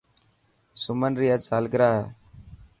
سمن ري اڄ سالگرا هي.